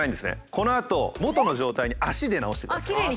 このあと元の状態に足で直してください。